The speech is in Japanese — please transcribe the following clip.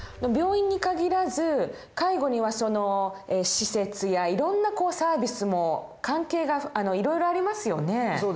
病院に限らず介護にはその施設やいろんなサービスも関係がいろいろありますよね。